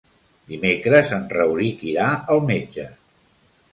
Dimecres en Rauric irà al metge.